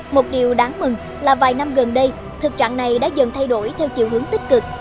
một điều đáng mừng là vài năm gần đây thực trạng này đã dần thay đổi theo chiều hướng tích cực